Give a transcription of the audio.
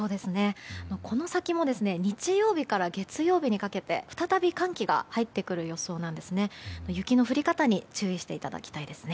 この先も日曜日から月曜日にかけて再び寒気が入ってくる予想なんですね。